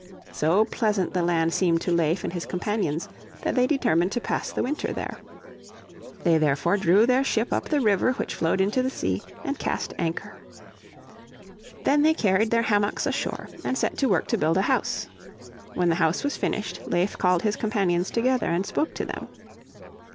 So pleasant the land seemed to Leif and his companions that they determined to pass the winter there. They therefore drew their ship up the river which flowed into the sea, and cast anchor. Then they carried their hammocks ashore and set to work to build a house When the house was finished Leif called his companions together and spoke to them.